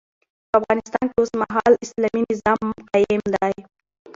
په افغانستان کي اوسمهال اسلامي نظام قايم دی